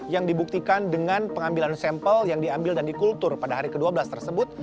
yang dibuktikan dengan pengambilan sampel yang diambil dan dikultur pada hari ke dua belas tersebut